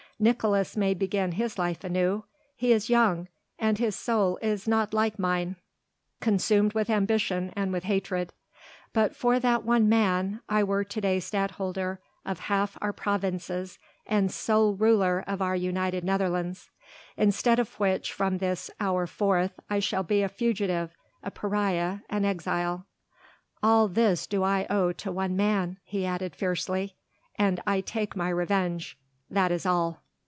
Nicolaes may begin his life anew; he is young and his soul is not like mine consumed with ambition and with hatred. But for that one man, I were to day Stadtholder of half our provinces and sole ruler of our United Netherlands, instead of which from this hour forth I shall be a fugitive, a pariah, an exile. All this do I owe to one man," he added fiercely, "and I take my revenge, that is all."